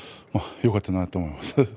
よかったなと思います。